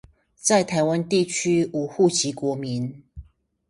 在臺灣地區無戶籍國民